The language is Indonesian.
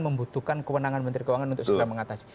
membutuhkan kewenangan menteri keuangan untuk segera mengatasi